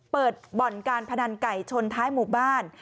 เปิดบ่อนการพนันไก่ชนท้ายหมู่บ้าน